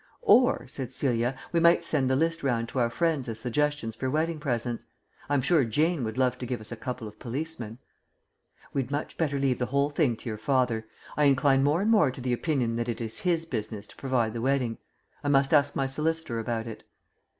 "Or," said Celia, "we might send the list round to our friends as suggestions for wedding presents. I'm sure Jane would love to give us a couple of policemen." "We'd much better leave the whole thing to your father. I incline more and more to the opinion that it is his business to provide the wedding. I must ask my solicitor about it."